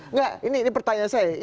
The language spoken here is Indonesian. enggak ini pertanyaan saya